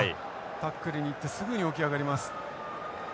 タックルに行ってすぐに起き上がります。